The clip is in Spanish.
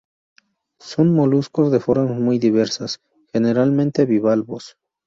Son moluscos de formas muy diversas, generalmente bivalvos.